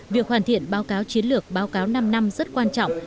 việc hoàn thiện báo cáo chiến lược báo cáo năm năm rất quan trọng